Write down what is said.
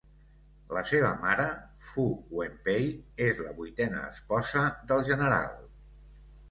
La seva mare, Fu Wenpei, és la vuitena esposa del general.